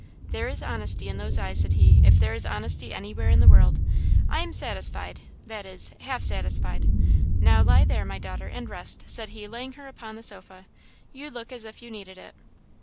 "There is honesty in those eyes," said he, "if there is honesty anywhere in the world. I am satisfied, that is, half satisfied. Now lie there, my little daughter, and rest," said he, laying her upon the sofa; "you look as if you needed it."